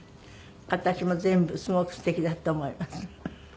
形も全部すごくすてきだと思います。